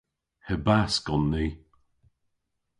Hebask on ni.